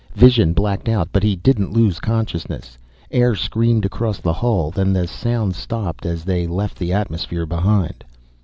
Vision blacked out but he didn't lose consciousness. Air screamed across the hull, then the sound stopped as they left the atmosphere behind.